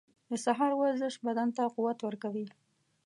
• د سهار ورزش بدن ته قوت ورکوي.